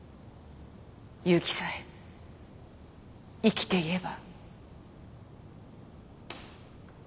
優希さえ生きていれば。